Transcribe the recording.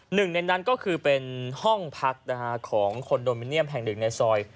หนึ่งในนั้นก็คือเป็นห้องพักของคอนโดมิเนียมแห่งหนึ่งในซอย